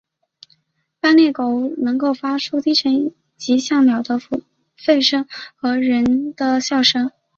斑鬣狗能够发出低沉及像鸟的吠声和很像人的笑声。